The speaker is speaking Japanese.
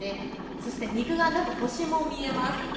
そして肉眼だと星も見えます。